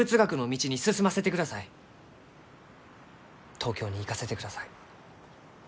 東京に行かせてください。